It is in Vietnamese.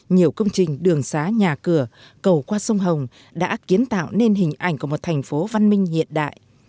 nhiều công trình đường xá nhà cửa cầu qua sông hồng đã kiến tạo nên hình ảnh của một thành phố văn minh hiện đại